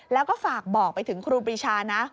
แล้วก็ฝากบอกไปถึงครูปรีชานะ